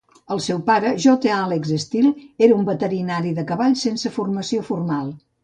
El seu pare, J. Alex Still, era un veterinari de cavalls sense formació formal.